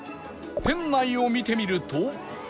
店内を見てみると